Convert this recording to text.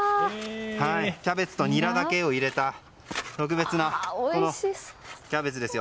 キャベツとニラだけを入れた特別なキャベツですよ。